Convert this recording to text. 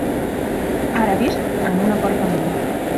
Ara visc en un apartament.